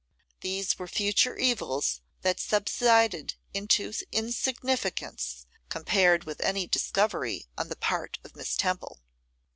These were future evils that subsided into insignificance compared with any discovery on the part of Miss Temple.